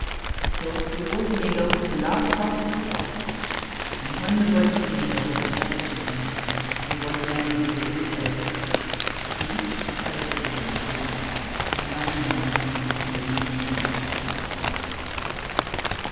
So the Wolf made off with a large part of the flock, and when the boy complained of what had happened to him, the Wise Man of the Village said: He who tells what is untrue, will not be believed even when he speaks the truth.''